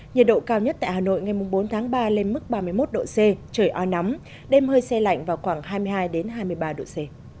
nhiệt độ cao nhất tại hà nội ngày bốn tháng ba lên mức ba mươi một độ c trời oi nóng đêm hơi xe lạnh vào khoảng hai mươi hai hai mươi ba độ c